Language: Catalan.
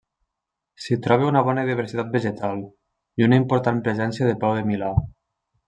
S'hi troba una bona diversitat vegetal, i una important presència de peu de milà.